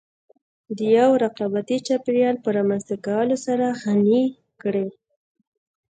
د يوه رقابتي چاپېريال په رامنځته کولو سره غني کړې.